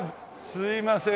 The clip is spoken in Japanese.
すみません。